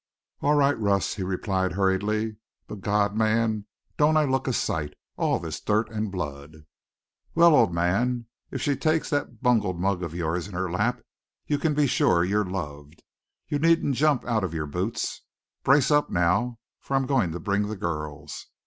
"All right, Russ," he replied hurriedly. "But, God, man, don't I look a sight! All this dirt and blood!" "Well, old man, if she takes that bungled mug of yours in her lap, you can be sure you're loved. You needn't jump out of your boots! Brace up now, for I'm going to bring the girls."